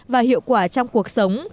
và hiệu quả trong cuộc sống